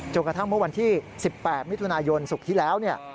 กระทั่งเมื่อวันที่๑๘มิถุนายนศุกร์ที่แล้วเนี่ย